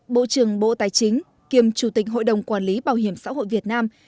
bộ trưởng bộ tài chính kiêm chủ tịch hội đồng quản lý bảo hiểm xã hội việt nam